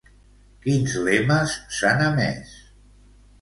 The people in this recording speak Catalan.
Quins lemes s'han emès?